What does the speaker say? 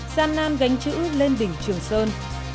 gian nan gánh chữ lên đỉnh trường sơn